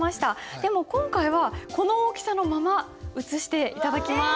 でも今回はこの大きさのまま写して頂きます。